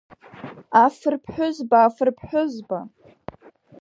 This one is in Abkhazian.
Афырԥҳәызба, афырԥҳәызба!